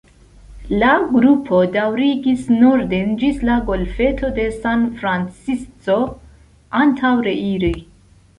La grupo daŭrigis norden ĝis la golfeto de San Francisco antaŭ reiri.